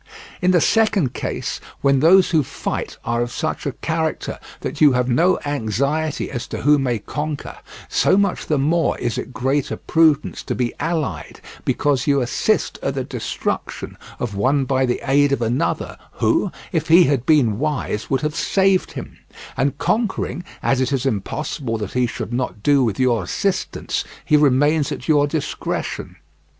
In the second case, when those who fight are of such a character that you have no anxiety as to who may conquer, so much the more is it greater prudence to be allied, because you assist at the destruction of one by the aid of another who, if he had been wise, would have saved him; and conquering, as it is impossible that he should not do with your assistance, he remains at your discretion.